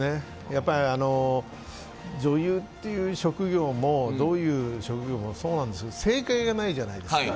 やっぱり、女優っていう職業もどういう職業もそうなんですけど正解がないじゃないですか。